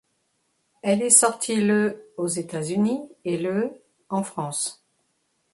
Elle est sortie le aux États-Unis et le en France.